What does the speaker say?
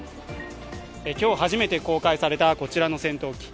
今日初めて公開されたこちらの戦闘機。